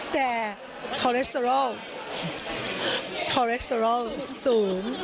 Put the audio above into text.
แต่คอเลสเตอรอลสูง